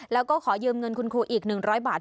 แล้วก็ขอยืมเงินคุณครูอีก๑๐๐บาท